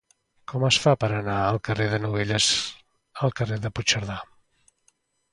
Com es fa per anar del carrer de Novelles al carrer de Puigcerdà?